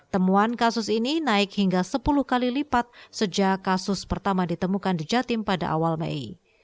temuan kasus ini naik hingga sepuluh kali lipat sejak kasus pertama ditemukan di jatim pada awal mei